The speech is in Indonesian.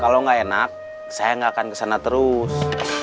kalau gak enak saya gak akan kesana terus